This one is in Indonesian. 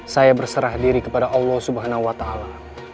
saya berserah diri kepada allah subhanahu wa ta'ala